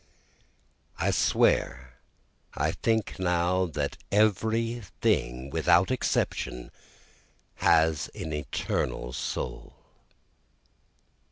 9 I swear I think now that every thing without exception has an eternal soul!